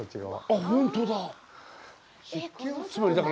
あっ、本当だ。